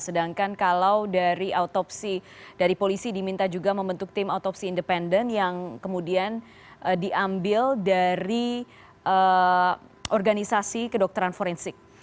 sedangkan kalau dari autopsi dari polisi diminta juga membentuk tim autopsi independen yang kemudian diambil dari organisasi kedokteran forensik